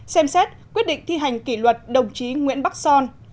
xem xét quyết định thi hành kỷ luật đồng chí nguyễn bắc son